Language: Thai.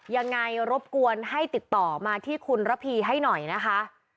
ยังไงรบกวนให้ติดต่อมาที่คุณระพีให้หน่อยนะคะ